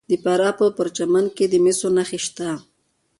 د فراه په پرچمن کې د مسو نښې شته.